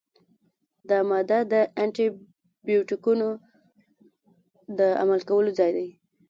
دا ماده د انټي بیوټیکونو د عمل کولو ځای دی.